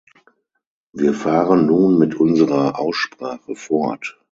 Wir fahren nun mit unserer Aussprache fort.